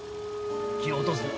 気を落とすな。